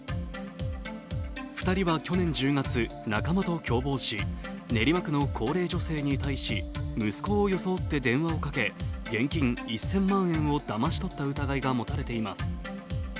２人は去年１０月、仲間と共謀し練馬区の高齢女性に対し息子を装って電話をかけ現金１０００万円をだまし取った疑いが持たれています。